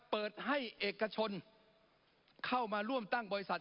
เปิดให้เอกชนเข้ามาร่วมตั้งบริษัท